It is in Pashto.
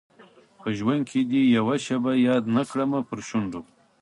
په ژوند کي دي یوه شېبه یاد نه کړمه پر شونډو